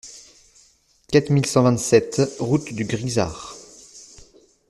quatre mille cent vingt-sept route du Grisard